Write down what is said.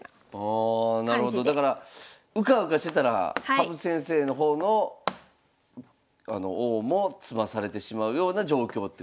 だからうかうかしてたら羽生先生の方の王も詰まされてしまうような状況ってことですね。